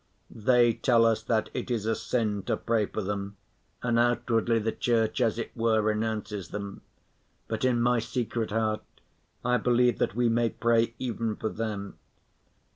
They tell us that it is a sin to pray for them and outwardly the Church, as it were, renounces them, but in my secret heart I believe that we may pray even for them.